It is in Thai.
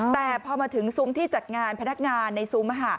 แต่พอมาถึงซุ้มที่จัดงานพนักงานในซุ้ม